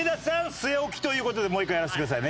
据え置きという事でもう一回やらせてくださいね。